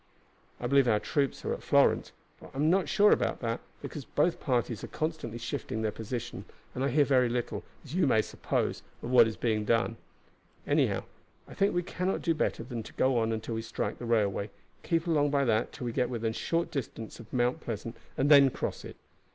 I believe our troops are at Florence; but I am not sure about that, because both parties are constantly shifting their position, and I hear very little, as you may suppose, of what is being done. Anyhow, I think we cannot do better than go on until we strike the railway, keep along by that till we get within a short distance of Mount Pleasant, and then cross it.